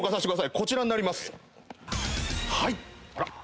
こちらになります。